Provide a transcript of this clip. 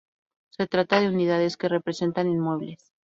Se trata de unidades que representan inmuebles.